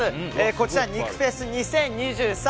こちら、肉フェス２０２３。